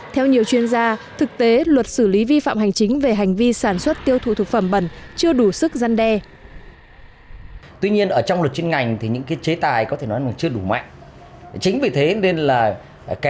theo nhiều chuyên gia thực tế luật xử lý vi phạm hành chính về hành vi sản xuất tiêu thụ thực phẩm bẩn chưa đủ sức gian đe